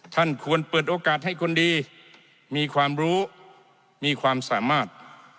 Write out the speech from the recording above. ท่านควรเปิดโอกาสให้คนดีมีความรู้มีความสามารถ